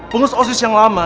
pengus osis yang lama